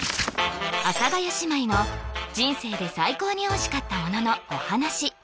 阿佐ヶ谷姉妹の人生で最高においしかったもののお話